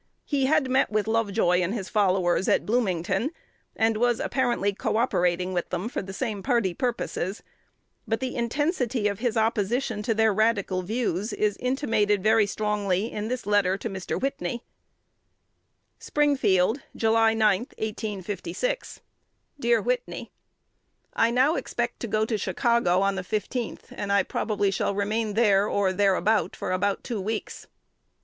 He had met with Lovejoy and his followers at Bloomington, and was apparently co operating with them for the same party purposes; but the intensity of his opposition to their radical views is intimated very strongly in this letter to Mr. Whitney: SprinGfield, July 9, 1856. Dear Whitney, I now expect to go to Chicago on the 15th, and I probably shall remain there or thereabout for about two weeks.